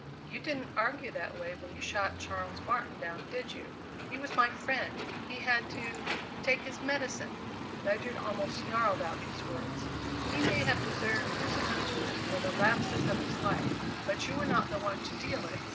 "You didn't argue that way when you shot Charles Martin down, did you? He was my friend; he had to take his medicine!" Ledyard almost snarled out these words. "He may have deserved his punishment for the lapses of his life but you were not the one to deal it.